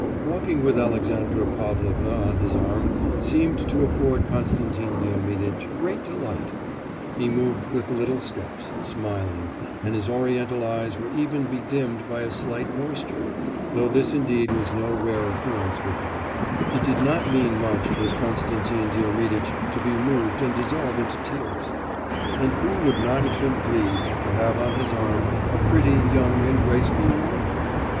Walking with Alexandra Pavlovna on his arm seemed to afford Konstantin Diomiditch great delight; he moved with little steps, smiling, and his Oriental eyes were even be dimmed by a slight moisture, though this indeed was no rare occurrence with them; it did not mean much for Konstantin Diomiditch to be moved and dissolve into tears. And who would not have been pleased to have on his arm a pretty, young and graceful woman?